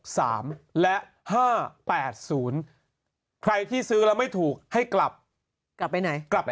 สามและห้าแปดศูนย์ใครที่ซื้อแล้วไม่ถูกให้กลับกลับ